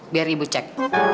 biar ibu cek